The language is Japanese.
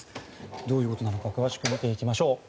どういうことなのか詳しく見ていきましょう。